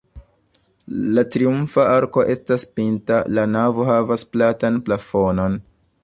La triumfa arko estas pinta, la navo havas platan plafonon.